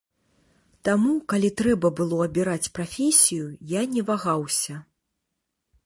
Таму, калі трэба было абіраць прафесію, я не вагаўся.